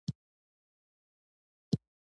له هغه سره مرسته وکړي چې پر تخت ټینګ شي.